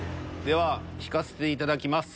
では引かせていただきます。